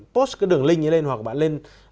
post cái đường link ấy lên hoặc bạn lên